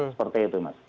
seperti itu mas